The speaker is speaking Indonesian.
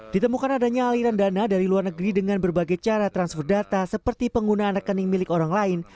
ditemukan adanya aliran dana dari luar negeri dengan berbagai cara transfer data seperti penggunaan rekening milik orang lain